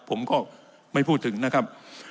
ผมก็ไม่พูดถึงนะครับ